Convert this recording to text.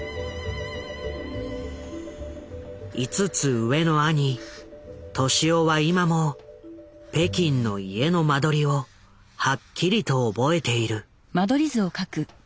５つ上の兄俊夫は今も北京の家の間取りをはっきりと覚えている。